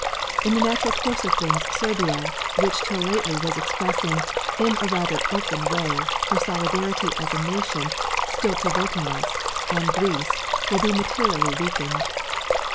In the natural course of things Serbia, which till lately was expressing, in a rather open way, her solidarity as a nation, still provoking us, and Greece, will be materially weakened.